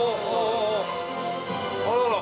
あらら。